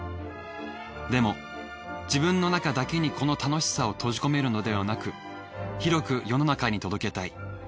でも自分の中だけにこの楽しさを閉じ込めるのではなく広く世の中に届けたい。